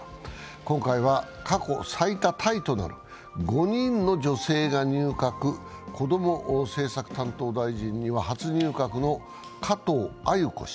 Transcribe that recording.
今回は、過去最多タイとなる５人の女性が入閣、こども政策担当大臣には初入閣の加藤鮎子氏。